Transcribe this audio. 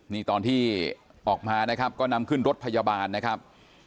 นี่ตอนที่ออกมานะครับก็นำขึ้นรถพยาบาลนะครับ